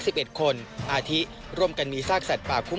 จอบประเด็นจากรายงานของคุณศักดิ์สิทธิ์บุญรัฐครับ